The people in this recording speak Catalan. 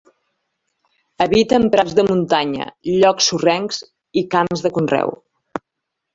Habita en prats de muntanya, llocs sorrencs i camps de conreu.